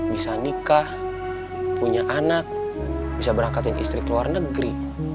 bisa nikah punya anak bisa berangkatin istri ke luar negeri